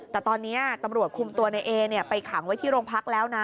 แต่ตอนนี้ตำรวจคุมตัวในเอไปขังไว้ที่โรงพักแล้วนะ